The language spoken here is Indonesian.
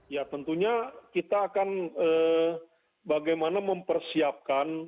ya tentunya kita akan bagaimana mempersiapkan